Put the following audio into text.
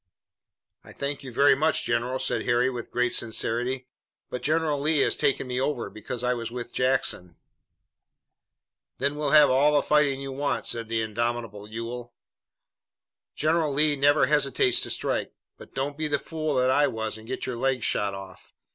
"I thank you very much, General," said Harry with great sincerity, "but General Lee has taken me over, because I was with Jackson." "Then you'll have all the fighting you want," said the indomitable Ewell. "General Lee never hesitates to strike. But don't be the fool that I was and get your leg shot off.